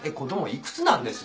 いくつなんです？